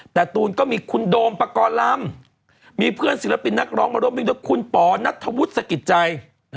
แต่ตูนก็มีคุณโดมปกรณ์ลำมีเพื่อนศิลปินนักร้องมาร่วมวิ่งด้วยคุณป๋อนัทธวุฒิสกิจใจ